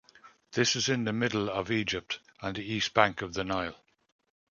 This is in the middle of Egypt, on the east bank of the Nile.